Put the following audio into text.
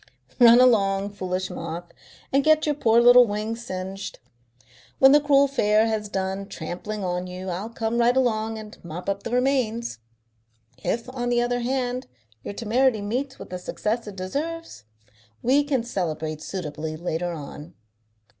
"Run along, foolish moth, and get your poor little wings singed. When the cruel fair has done trampling on you I'll come right along and mop up the remains. If, on the other hand, your temerity meets with the success it deserves, we can celebrate suitably later on."